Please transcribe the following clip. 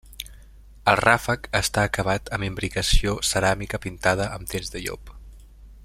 El ràfec està acabat amb imbricació ceràmica pintada amb dents de llop.